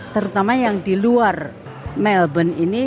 terutama yang di luar melbourne ini